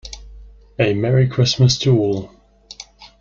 A Merry Christmas to all!